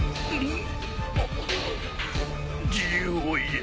ん！？